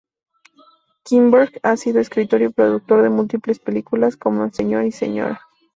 Kinberg ha sido escritor y productor de múltiples películas como "Sr. y Sra.